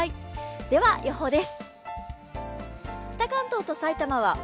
では予報です。